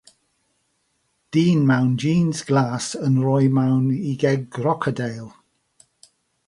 Dyn mewn jîns glas yn rhoi mewn i geg crocodeil.